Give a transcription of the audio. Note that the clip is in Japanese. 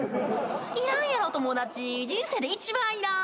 いらんやろ友達人生で一番いらん。